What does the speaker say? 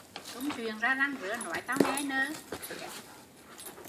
Công chuyện ra răng, nói tau nghe